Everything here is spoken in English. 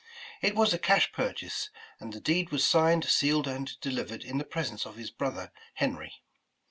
'' It was a cash purchase, and the deed was signed, sealed, and delivered in the presence of his brother Henry.